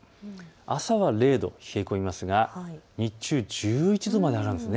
朝は０度、冷え込みますが日中は１１度まで上がるんです。